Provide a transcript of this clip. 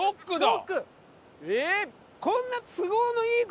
えっ！